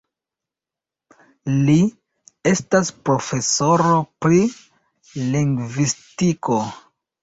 Li estas profesoro pri lingvistiko.